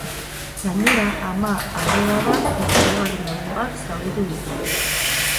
Gainera, ama, arreba bat eta hirugarren lagun bat zauritu ditu.